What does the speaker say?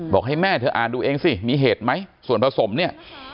บอกให้แม่เธออ่านดูเองสิมีเหตุไหมส่วนผสมเนี่ย